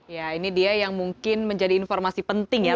ya ini dia yang mungkin menjadi informasi penting ya